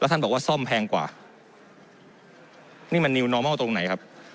แล้วท่านบอกว่าซ่อมแพงกว่านี่มันตรงไหนครับ